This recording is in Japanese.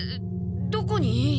どこに？